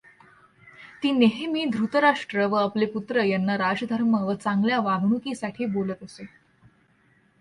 ती नेहेमी धृतराष्ट्र व आपले पुत्र यांना राजधर्म व चांगल्या वागणूकीसाठी बोलत असे.